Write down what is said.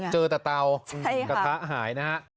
เจอแต่เตากระทะหายนะฮะใช่ค่ะ